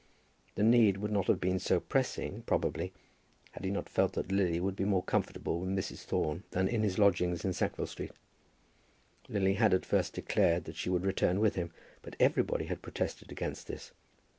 The need would not have been so pressing, probably, had he not felt that Lily would be more comfortable with Mrs. Thorne than in his lodgings in Sackville Street. Lily had at first declared that she would return with him, but everybody had protested against this.